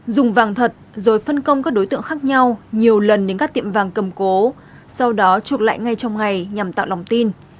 dùng vàng thật rồi phân công các đối tượng khác nhau nhiều lần đến các tiệm vàng cầm cố sau đó chuột lại ngay trong ngày nhằm tạo lòng tin